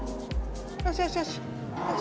よしよしよしよし。